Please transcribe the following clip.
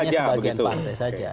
hanya sebagian partai saja